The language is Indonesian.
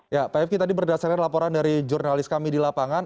ya pak fki tadi berdasarkan laporan dari jurnalis kami di lapangan